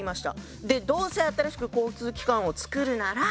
でどうせ新しく交通機関をつくるなら。